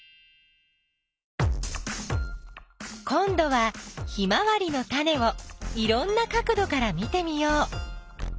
こんどはヒマワリのタネをいろんな角どから見てみよう。